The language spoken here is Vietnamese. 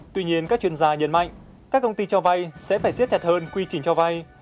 tuy nhiên các chuyên gia nhấn mạnh các công ty cho vay sẽ phải siết chặt hơn quy trình cho vay